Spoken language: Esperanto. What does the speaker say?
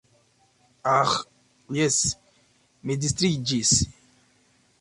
Aĥ jes, mi distriĝis.